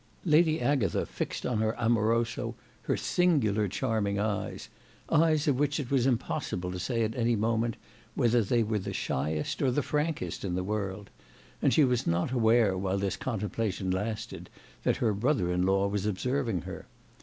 Lady Agatha fixed on her amoroso her singular charming eyes, eyes of which it was impossible to say at any moment whether they were the shyest or the frankest in the world; and she was not aware while this contemplation lasted that her brother in law was observing her.